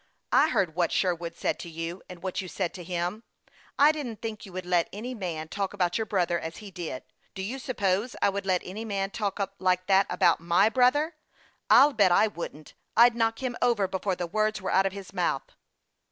I heard what Sherwood said to you, and what you said to him. I didn't think you would let any man talk about your brother as he did. Do you suppose I would let any man talk like that about my brother ? I'll bet I wouldn't ! I'd knock him over before the words were out of his mouth."